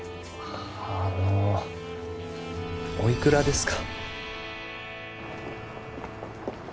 あのおいくらですか？